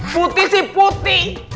putih sih putih